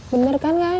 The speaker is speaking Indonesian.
bener kan ga